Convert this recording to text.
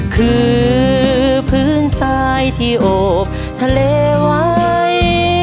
คือพื้นทรายที่โอบทะเลไว้